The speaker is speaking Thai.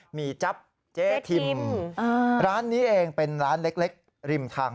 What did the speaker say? ี่จั๊บเจ๊ทิมร้านนี้เองเป็นร้านเล็กริมทาง